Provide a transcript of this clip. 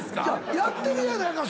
やってるやないか。